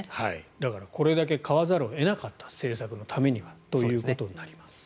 だからこれだけ買わざるを得なかった政策のためにはということになります。